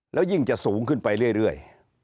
แล้วยิ่งจะสูงขึ้นไปเรื่อย